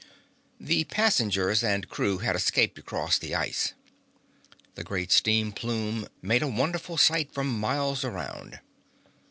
The passengers and crew had escaped across the ice. The great steam plume made a wonderful sight for miles around.